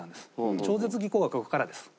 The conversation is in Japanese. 超絶技巧はここからです。